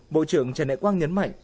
bộ trưởng trần đại quang nhấn mạnh